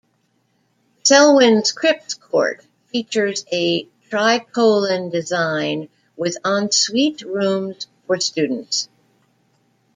Selwyn's Cripps Court features a tricolon design with ensuite rooms for students.